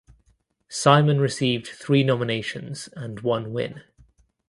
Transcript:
Simon received three nominations and one win.